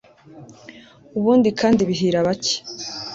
ubundi kandi bihira bake